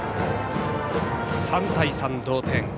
３対３、同点。